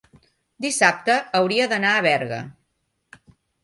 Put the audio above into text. dissabte hauria d'anar a Berga.